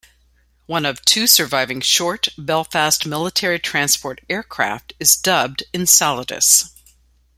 One of two surviving Short Belfast military transport aircraft is dubbed "Enceladus".